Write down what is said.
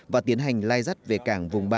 và tiến hành lai dắt về cảng vùng ba